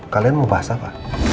kalian mau bahas apa